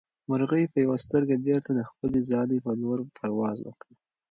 مرغۍ په یوه سترګه بېرته د خپلې ځالې په لور پرواز وکړ.